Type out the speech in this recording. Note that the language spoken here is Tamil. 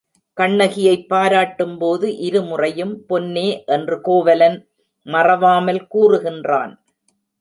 கண்ணகியைப் பாராட்டும் போது இருமுறையும் பொன்னே என்று கோவலன் மறவாமல் கூறுகின்றான்.